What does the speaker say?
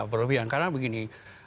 berlebihan karena begini